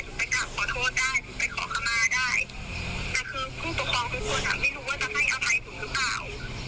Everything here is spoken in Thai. แต่คือผู้ปกครองทุกคนไม่รู้ว่าจะให้อภัยถูกหรือเปล่า